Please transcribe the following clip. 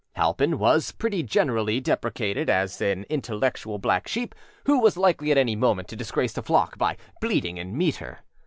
Halpin was pretty generally deprecated as an intellectual black sheep who was likely at any moment to disgrace the flock by bleating in meter.